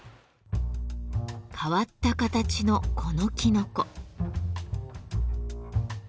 変わった形のこのきのこ。